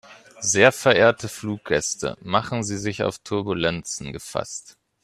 Sehr verehrte Fluggäste, machen Sie sich auf Turbulenzen gefasst.